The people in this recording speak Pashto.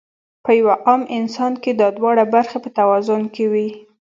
پۀ يو عام انسان کې دا دواړه برخې پۀ توازن کې وي -